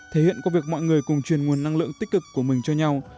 thể hiện qua việc mọi người cùng truyền nguồn năng lượng tích cực của mình cho nhau